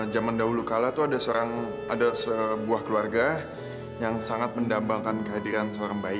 zaman dahulu kala itu ada sebuah keluarga yang sangat mendambangkan kehadiran seorang bayi